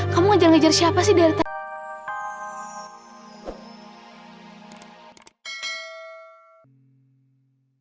kamu ngejar ngejar siapa sih dari tadi